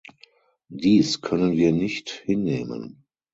Dies können wir nicht hinnehmen!